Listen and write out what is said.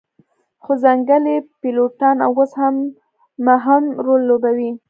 خو ځنګلي پیلوټان اوس هم مهم رول لوبوي